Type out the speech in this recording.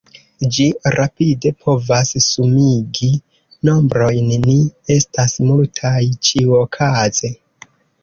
Ĝi rapide povas sumigi nombrojn, ni estas multaj, ĉiuokaze.